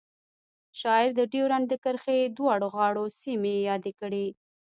شاعر د ډیورنډ د کرښې دواړو غاړو سیمې یادې کړې